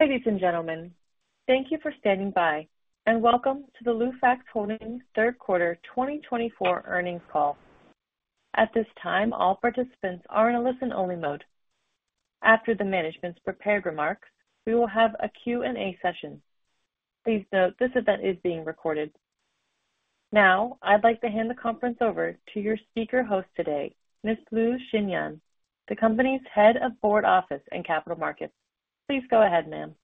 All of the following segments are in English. Ladies and gentlemen, thank you for standing by, and welcome to the Lufax Holding third quarter 2024 earnings call. At this time, all participants are in a listen-only mode. After the management's prepared remarks, we will have a Q&A session. Please note, this event is being recorded. Now, I'd like to hand the conference over to your speaker host today, Ms. Lu Xinyan, the company's Head of Board Office and Capital Markets. Please go ahead, ma'am.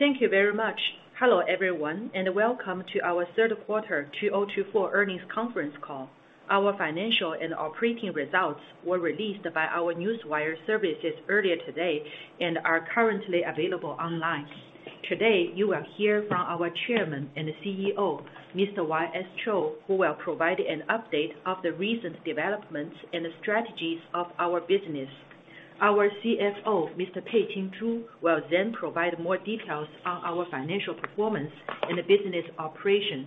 Thank you very much. Hello, everyone, and welcome to our third quarter 2024 earnings conference call. Our financial and operating results were released by our Newswire services earlier today and are currently available online. Today, you will hear from our Chairman and CEO, Mr. Y.S. Cho, who will provide an update of the recent developments and the strategies of our business. Our CFO, Mr. Peiqing Zhu, will then provide more details on our financial performance and the business operations.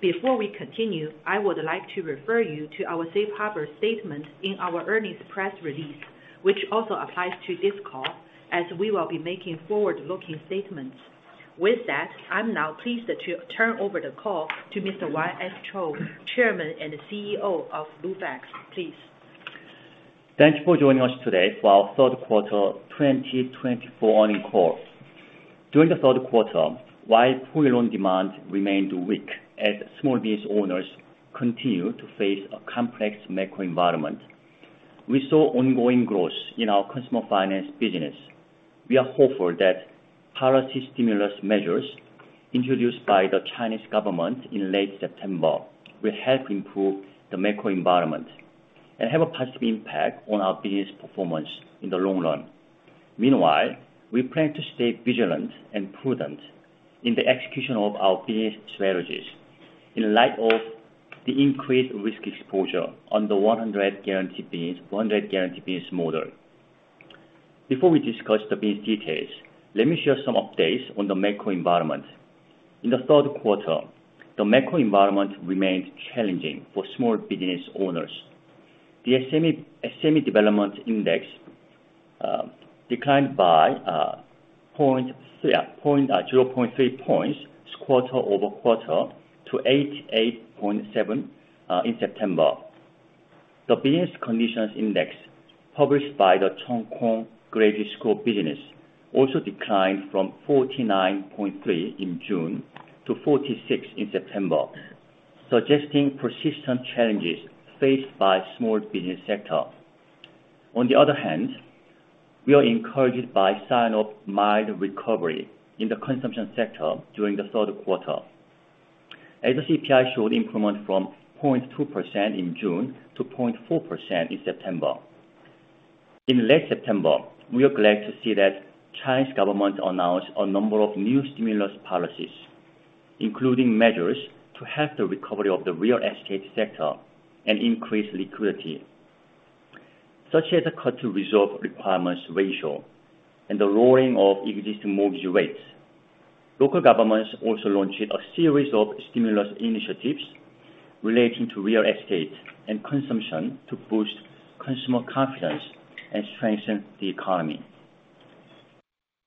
Before we continue, I would like to refer you to our safe harbor statement in our earnings press release, which also applies to this call, as we will be making forward-looking statements. With that, I'm now pleased to turn over the call to Mr. Y.S. Cho, Chairman and CEO of Lufax. Please. Thank you for joining us today for our third quarter 2024 earnings call. During the third quarter, while full loan demand remained weak as small business owners continued to face a complex macro environment, we saw ongoing growth in our customer finance business. We are hopeful that policy stimulus measures introduced by the Chinese government in late September will help improve the macro environment and have a positive impact on our business performance in the long run. Meanwhile, we plan to stay vigilant and prudent in the execution of our business strategies in light of the increased risk exposure on the 100% guarantee business, 100% guarantee business model. Before we discuss the business details, let me share some updates on the macro environment. In the third quarter, the macro environment remained challenging for small business owners. The SME development index declined by 0.3 points quarter over quarter to 88.7 in September. The Business Conditions Index, published by the Cheung Kong Graduate School of Business, also declined from 49.3 in June to 46 in September, suggesting persistent challenges faced by small business sector. On the other hand, we are encouraged by sign of mild recovery in the consumption sector during the third quarter, as the CPI showed improvement from 0.2% in June to 0.4% in September. In late September, we are glad to see that Chinese government announced a number of new stimulus policies, including measures to help the recovery of the real estate sector and increase liquidity, such as a cut to reserve requirements ratio and the lowering of existing mortgage rates. Local governments also launched a series of stimulus initiatives relating to real estate and consumption to boost consumer confidence and strengthen the economy.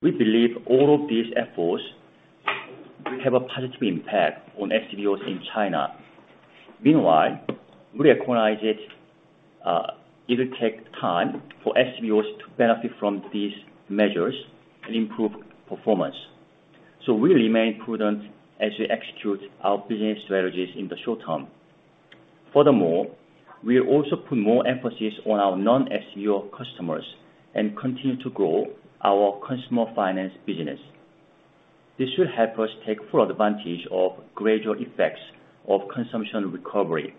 We believe all of these efforts will have a positive impact on SBOs in China. Meanwhile, we recognize it, it will take time for SBOs to benefit from these measures and improve performance, so we remain prudent as we execute our business strategies in the short term. Furthermore, we also put more emphasis on our non-SBO customers and continue to grow our consumer finance business. This will help us take full advantage of gradual effects of consumption recovery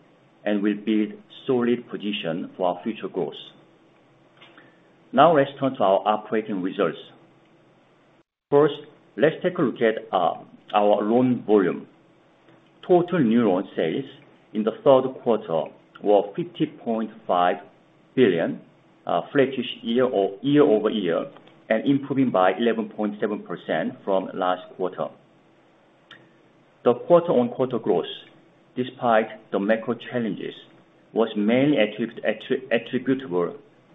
and will build solid position for our future growth. Now let's turn to our operating results. First, let's take a look at, our loan volume. Total new loan sales in the third quarter were 50.5 billion, flattish year-over-year, and improving by 11.7% from last quarter. The quarter-on-quarter growth, despite the macro challenges, was mainly attributable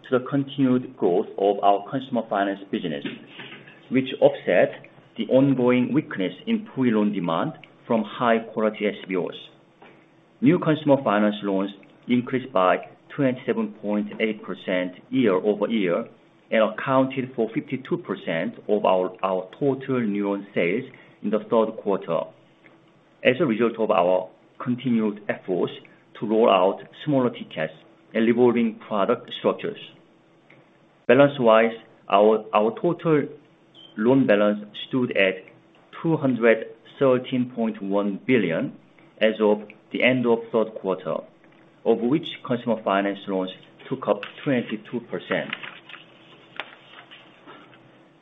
to the continued growth of our customer finance business, which offset the ongoing weakness in pre-loan demand from high-quality SBOs. New consumer finance loans increased by 27.8% year-over-year and accounted for 52% of our total new loan sales in the third quarter, as a result of our continued efforts to roll out smaller tickets and evolving product structures. Balance-wise, our total loan balance stood at 213.1 billion as of the end of third quarter, of which consumer finance loans took up 22%.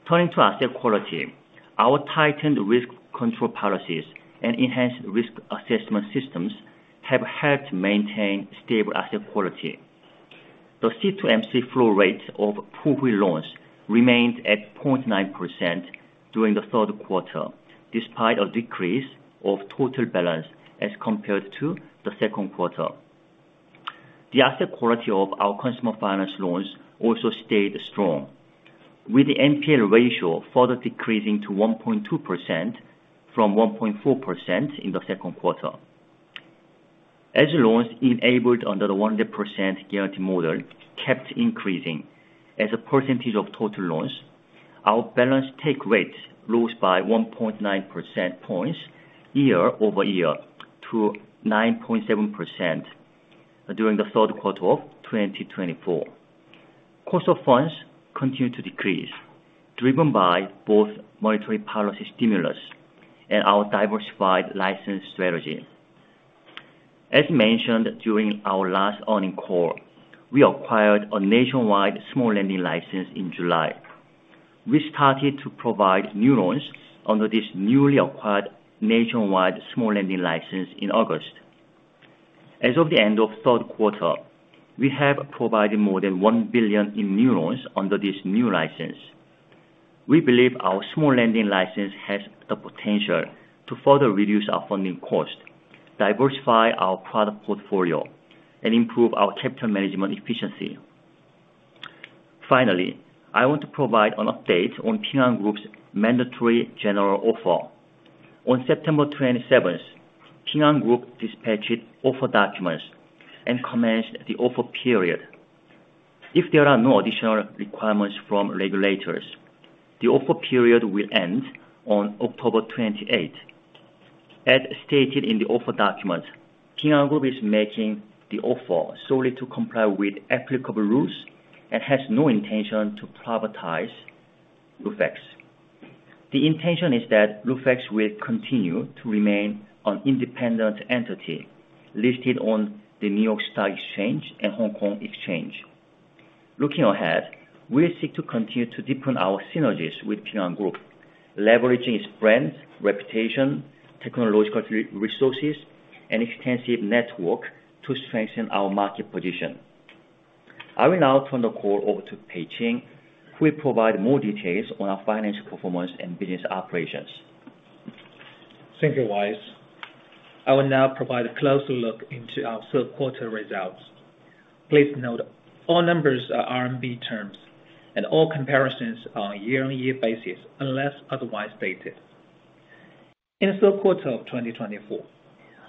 Turning to asset quality, our tightened risk control policies and enhanced risk assessment systems have helped maintain stable asset quality. The C-M1 flow rate of poor loans remained at 0.9% during the third quarter, despite a decrease of total balance as compared to the second quarter. The asset quality of our consumer finance loans also stayed strong, with the NPL ratio further decreasing to 1.2% from 1.4% in the second quarter. As loans enabled under the 100% guarantee model kept increasing as a percentage of total loans, our balance take rate rose by 1.9 percentage points year-over-year to 9.7% during the third quarter of 2024. Cost of funds continued to decrease, driven by both monetary policy stimulus and our diversified license strategy. As mentioned during our last earnings call, we acquired a nationwide small lending license in July. We started to provide new loans under this newly acquired nationwide small lending license in August. As of the end of third quarter, we have provided more than 1 billion in new loans under this new license. We believe our small lending license has the potential to further reduce our funding costs, diversify our product portfolio, and improve our capital management efficiency. Finally, I want to provide an update on Ping An Group's mandatory general offer. On September twenty-seventh, Ping An Group dispatched offer documents and commenced the offer period. If there are no additional requirements from regulators, the offer period will end on October twenty-eighth. As stated in the offer document, Ping An Group is making the offer solely to comply with applicable rules and has no intention to privatize Lufax. The intention is that Lufax will continue to remain an independent entity, listed on the New York Stock Exchange and Hong Kong Exchange. Looking ahead, we seek to continue to deepen our synergies with Ping An Group, leveraging its brand, reputation, technological resources, and extensive network to strengthen our market position. I will now turn the call over to Peiqing Zhu, who will provide more details on our financial performance and business operations. Thank you, Y.S. I will now provide a closer look into our third quarter results. Please note, all numbers are RMB terms, and all comparisons are on a year-on-year basis, unless otherwise stated. In the third quarter of 2024,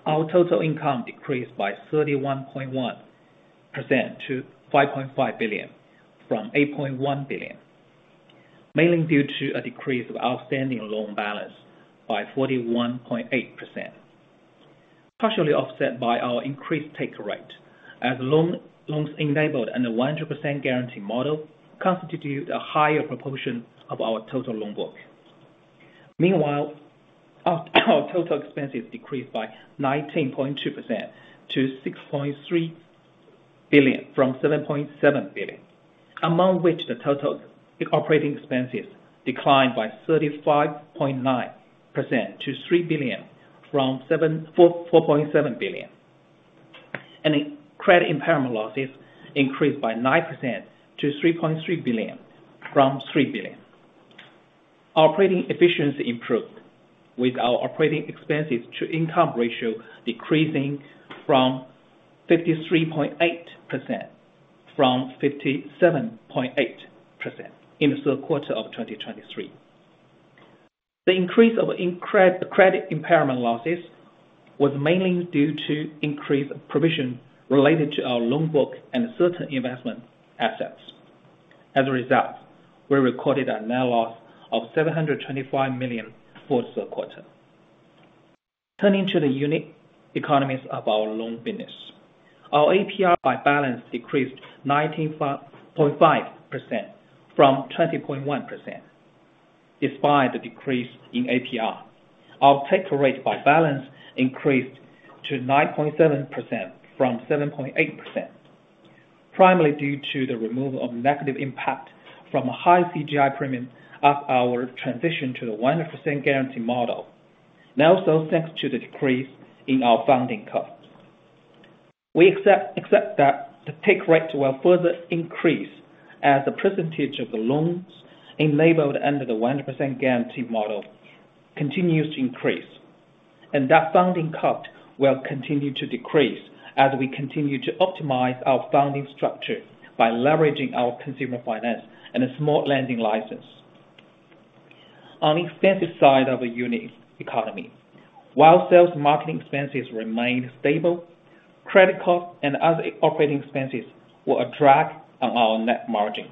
our total income decreased by 31.1% to 5.5 billion from 8.1 billion, mainly due to a decrease of outstanding loan balance by 41.8%. Partially offset by our increased take rate, as loans enabled and the 100% Guarantee Model constitute a higher proportion of our total loan book. Meanwhile, our total expenses decreased by 19.2% to 6.3 billion from 7.7 billion, among which the total operating expenses declined by 35.9% to 3 billion from 4.7 billion. Credit impairment losses increased by 9% to 3.3 billion from 3 billion. Our operating efficiency improved, with our operating expenses to income ratio decreasing from 57.8% to 53.8% in the third quarter of 2023. The increase of credit impairment losses was mainly due to increased provision related to our loan book and certain investment assets. As a result, we recorded a net loss of 725 million for the third quarter. Turning to the unit economics of our loan business. Our APR by balance decreased 19.5% from 20.1%. Despite the decrease in APR, our take rate by balance increased to 9.7% from 7.8%, primarily due to the removal of negative impact from a high CGI premium of our transition to the 100% guarantee model, and also thanks to the decrease in our funding cost. We accept that the take rate will further increase as a percentage of the loans enabled under the 100% guarantee model continues to increase, and that funding cost will continue to decrease as we continue to optimize our funding structure by leveraging our consumer finance and a small lending license. On the expense side of the unit economy, while sales marketing expenses remained stable, credit costs and other operating expenses were a drag on our net margin.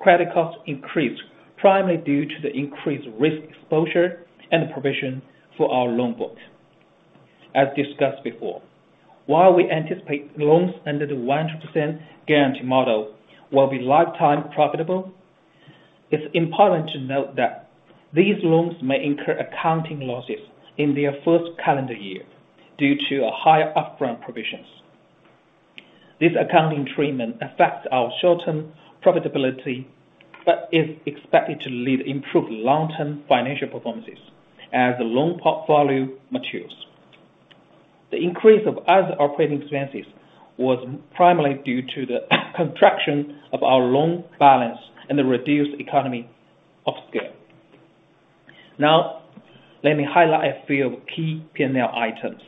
Credit costs increased primarily due to the increased risk exposure and provision for our loan book. As discussed before, while we anticipate loans under the 100% guarantee model will be lifetime profitable, it's important to note that these loans may incur accounting losses in their first calendar year due to a higher upfront provisions. This accounting treatment affects our short-term profitability, but is expected to lead improved long-term financial performances as the loan portfolio matures. The increase of other operating expenses was primarily due to the contraction of our loan balance and the reduced economy of scale... Now, let me highlight a few key P&L items.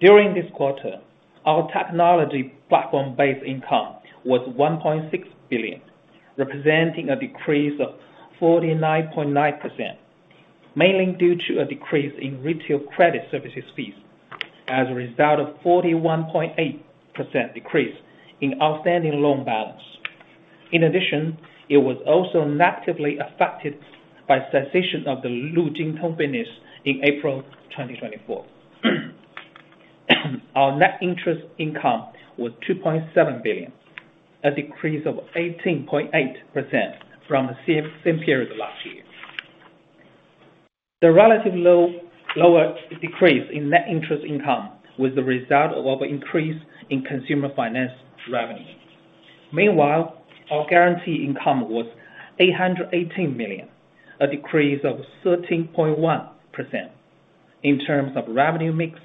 During this quarter, our technology platform-based income was 1.6 billion, representing a decrease of 49.9%, mainly due to a decrease in retail credit services fees as a result of 41.8% decrease in outstanding loan balance. In addition, it was also negatively affected by cessation of the LuJinTong business in April 2024. Our net interest income was 2.7 billion, a decrease of 18.8% from the same period last year. The relatively lower decrease in net interest income was the result of our increase in consumer finance revenue. Meanwhile, our guarantee income was 818 million, a decrease of 13.1%. In terms of revenue mix,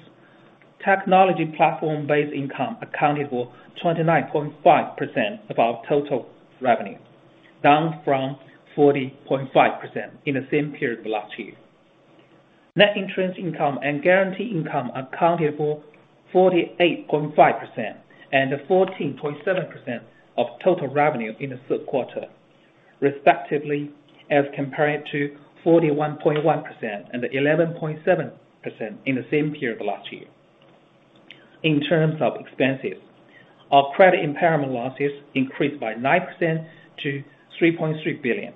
technology platform-based income accounted for 29.5% of our total revenue, down from 40.5% in the same period last year. Net interest income and guarantee income accounted for 48.5% and 14.7% of total revenue in the third quarter, respectively, as compared to 41.1% and 11.7% in the same period last year. In terms of expenses, our credit impairment losses increased by 9% to 3.3 billion,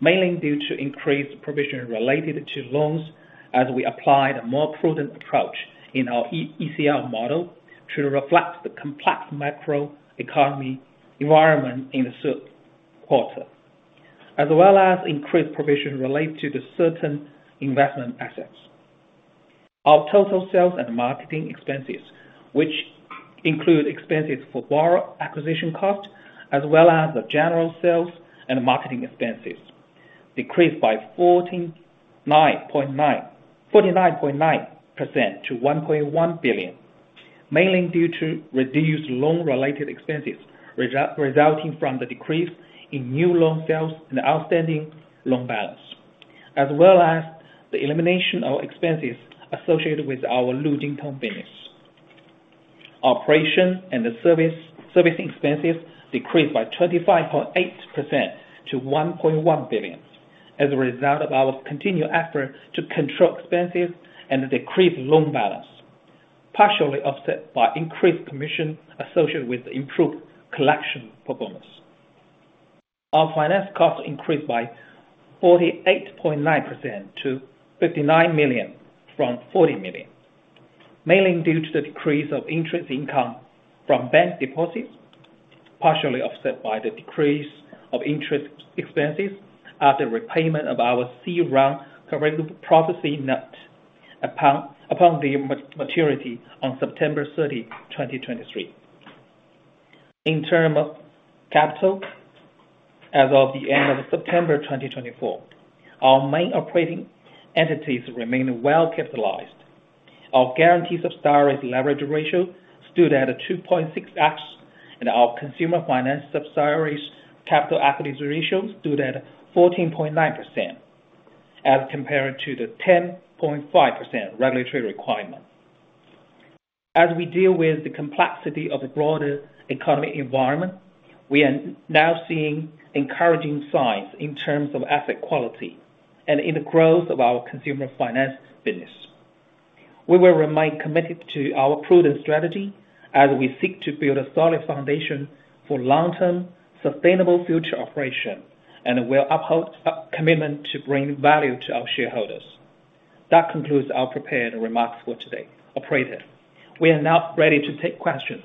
mainly due to increased provision related to loans, as we applied a more prudent approach in our ECL model to reflect the complex macro economy environment in the third quarter, as well as increased provision related to the certain investment assets. Our total sales and marketing expenses, which include expenses for borrower acquisition costs, as well as the general sales and marketing expenses, decreased by 49.9% to 1.1 billion, mainly due to reduced loan-related expenses, resulting from the decrease in new loan sales and outstanding loan balance, as well as the elimination of expenses associated with our LuJinTong business. Operating and servicing expenses decreased by 35.8% to 1.1 billion, as a result of our continued effort to control expenses and decrease loan balance, partially offset by increased commission associated with improved collection performance. Our finance costs increased by 48.9% to 59 million from 40 million, mainly due to the decrease of interest income from bank deposits, partially offset by the decrease of interest expenses at the repayment of our C round convertible promissory notes upon the maturity on September 30, 2023. In terms of capital, as of the end of September 2024, our main operating entities remain well capitalized. Our guaranteed subsidiaries' leverage ratio stood at 2.6x, and our consumer finance subsidiaries capital equity ratio stood at 14.9%, as compared to the 10.5% regulatory requirement. As we deal with the complexity of the broader economic environment, we are now seeing encouraging signs in terms of asset quality and in the growth of our consumer finance business. We will remain committed to our prudent strategy as we seek to build a solid foundation for long-term, sustainable future operation, and we'll uphold our commitment to bring value to our shareholders. That concludes our prepared remarks for today. Operator, we are now ready to take questions.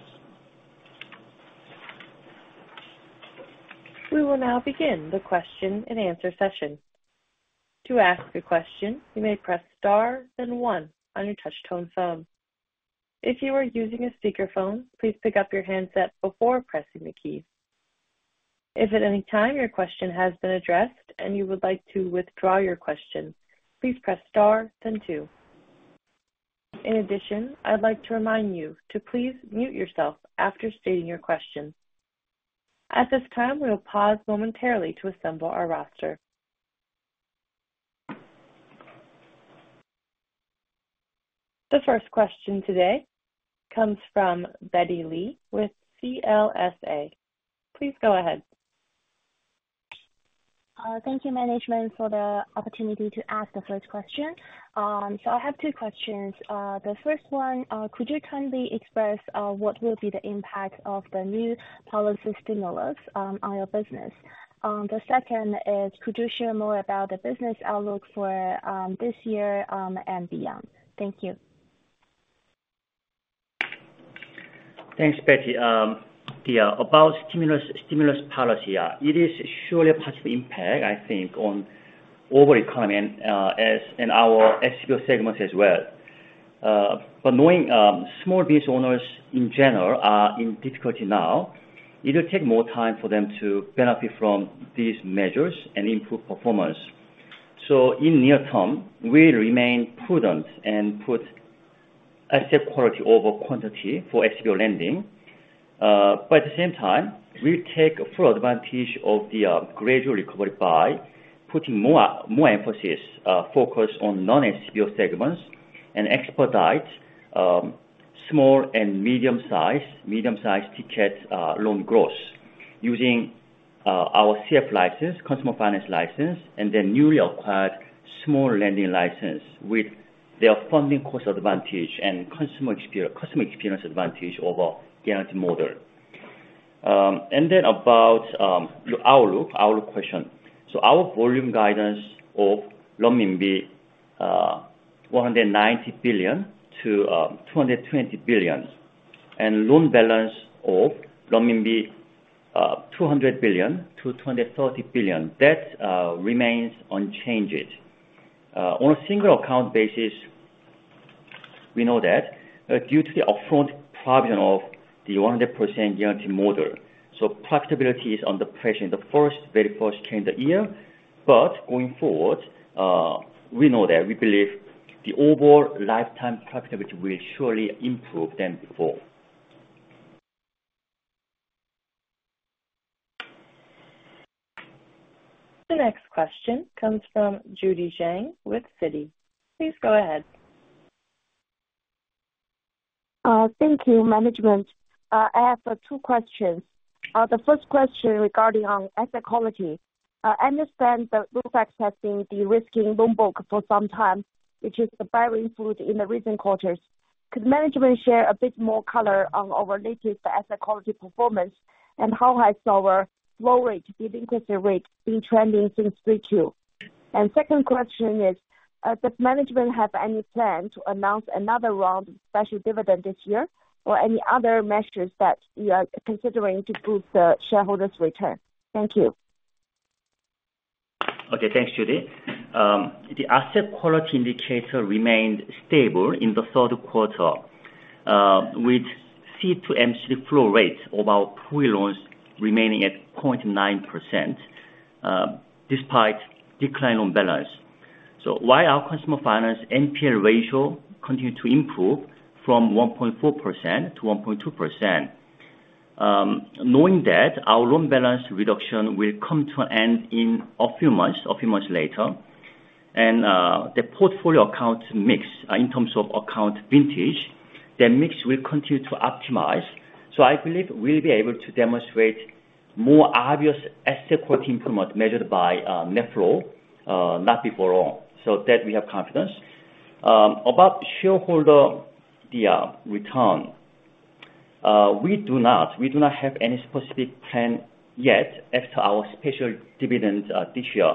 We will now begin the question and answer session. To ask a question, you may press star then one on your touch tone phone. If you are using a speakerphone, please pick up your handset before pressing the key. If at any time your question has been addressed and you would like to withdraw your question, please press star then two. In addition, I'd like to remind you to please mute yourself after stating your question. At this time, we will pause momentarily to assemble our roster. The first question today comes from Betty L with CLSA. Please go ahead. Thank you, management, for the opportunity to ask the first question. So I have two questions. The first one, could you kindly express what will be the impact of the new policy stimulus on your business? The second is, could you share more about the business outlook for this year and beyond? Thank you. Thanks, Betty. Yeah, about stimulus, stimulus policy, it is surely a positive impact, I think, on overall economy, as in our SBO segment as well, but knowing small business owners in general are in difficulty now, it will take more time for them to benefit from these measures and improve performance, so in near term, we remain prudent and put-... asset quality over quantity for SBO lending. At the same time, we take full advantage of the gradual recovery by putting more emphasis, focus on non-SBO segments and expedite small and medium-sized ticket loan growth using our CF license, customer finance license, and then newly acquired small lending license with their funding cost advantage and customer experience advantage over guarantee model, and then about your outlook question. Our volume guidance of 190 billion-220 billion RMB, and loan balance of 200 billion-230 billion RMB, that remains unchanged. On a single account basis, we know that, due to the upfront provision of the 100% guarantee model, so profitability is under pressure in the first, very first calendar year. But going forward, we know that, we believe the overall lifetime profitability will surely improve than before. The next question comes from Judy Zhang with Citi. Please go ahead. Thank you, management. I have two questions. The first question regarding on asset quality. I understand that Lufax has been de-risking loan book for some time, which is bearing fruit in the recent quarters. Could management share a bit more color on our latest asset quality performance, and how has our flow rate, delinquency rate, been trending since Q2? And second question is, does management have any plan to announce another round of special dividend this year, or any other measures that you are considering to boost the shareholders' return? Thank you. Okay, thanks, Judy. The asset quality indicator remained stable in the third quarter with C-M1 flow rate of our retail loans remaining at 0.9%, despite decline on balance. So while our customer finance NPL ratio continued to improve from 1.4% to 1.2%, knowing that our loan balance reduction will come to an end in a few months, a few months later, and the portfolio account mix in terms of account vintage, the mix will continue to optimize. So I believe we'll be able to demonstrate more obvious asset improvement measured by net flow not before long, so that we have confidence about shareholder return. We do not have any specific plan yet as to our special dividend this year.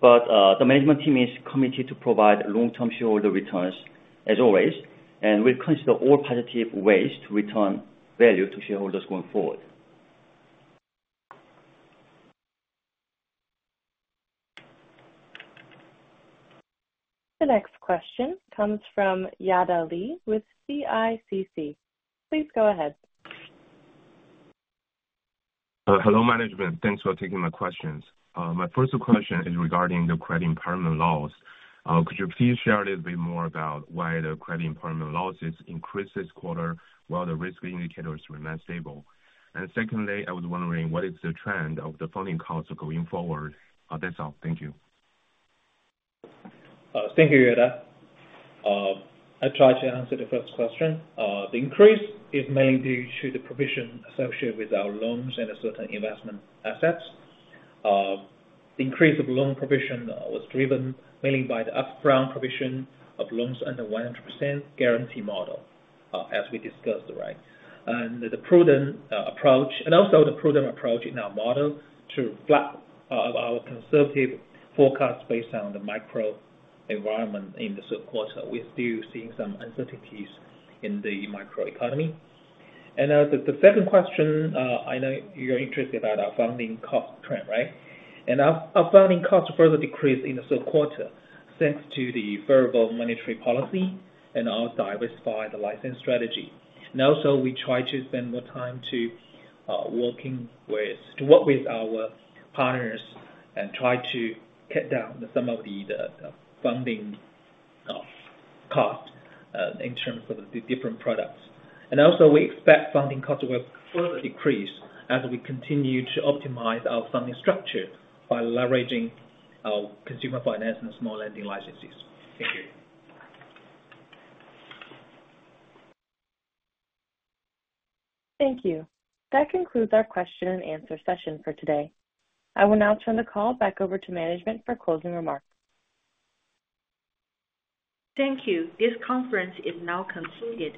The management team is committed to provide long-term shareholder returns as always, and we'll consider all positive ways to return value to shareholders going forward. The next question comes from Yada Li with CICC. Please go ahead. Hello, management. Thanks for taking my questions. My first question is regarding the credit impairment loss. Could you please share a little bit more about why the credit impairment losses increased this quarter, while the risk indicators remained stable? And secondly, I was wondering, what is the trend of the funding costs going forward? That's all. Thank you. Thank you, Yada. I'll try to answer the first question. The increase is mainly due to the provision associated with our loans and certain investment assets. The increase of loan provision was driven mainly by the up-front provision of loans under 100% guarantee model, as we discussed, right? The prudent approach, and also the prudent approach in our model to reflect our conservative forecast based on the macro environment in the third quarter. We're still seeing some uncertainties in the macroeconomy. The second question, I know you're interested about our funding cost trend, right? Our funding costs further decreased in the third quarter, thanks to the favorable monetary policy and our diversified funding strategy. And also, we try to spend more time working with our partners and try to cut down some of the funding cost in terms of the different products. And also, we expect funding costs will further decrease as we continue to optimize our funding structure by leveraging our consumer finance and small lending licenses. Thank you. Thank you. That concludes our question and answer session for today. I will now turn the call back over to management for closing remarks. Thank you. This conference is now concluded,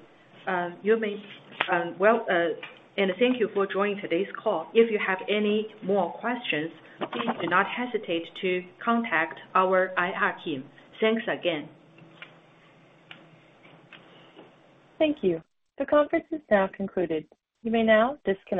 and thank you for joining today's call. If you have any more questions, please do not hesitate to contact our IR team. Thanks again. Thank you. The conference is now concluded. You may now disconnect.